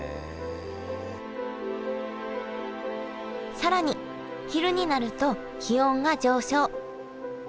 更に昼になると気温が上昇。